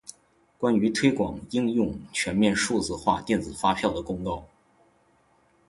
关于推广应用全面数字化电子发票的公告